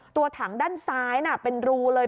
ตัวถังด้านซ้ายเป็นรูเลย